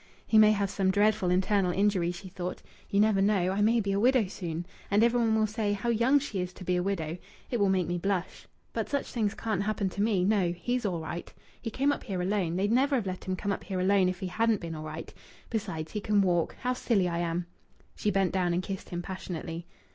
"He may have some dreadful internal injury," she thought. "You never know. I may be a widow soon. And every one will say, 'How young she is to be a widow!' It will make me blush. But such things can't happen to me. No, he's all right. He came up here alone. They'd never have let him come up here alone if he hadn't been all right. Besides, he can walk. How silly I am!" She bent down and kissed him passionately.